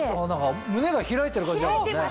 胸が開いてる感じだもんね。